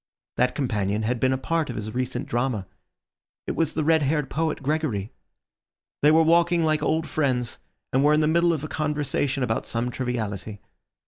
That companion had been a part of his recent drama; it was the red haired poet Gregory. They were walking like old friends, and were in the middle of a conversation about some triviality.